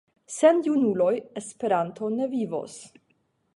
Sen junuloj Esperanto ne vivos.